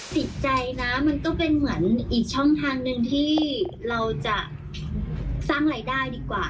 ติดใจนะมันก็เป็นเหมือนอีกช่องทางหนึ่งที่เราจะสร้างรายได้ดีกว่า